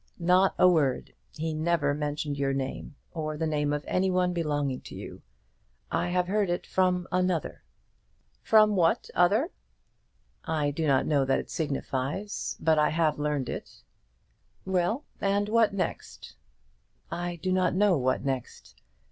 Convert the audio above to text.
"Not a word. He never mentioned your name, or the name of any one belonging to you. I have heard it from another." "From what other?" "I do not know that that signifies, but I have learned it." "Well; and what next?" "I do not know what next.